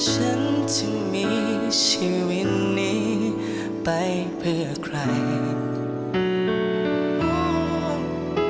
ฉันจึงมีชีวิตนี้ไปเพื่อใคร